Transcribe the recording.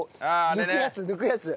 抜くやつ抜くやつ。